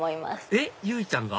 えっ由依ちゃんが？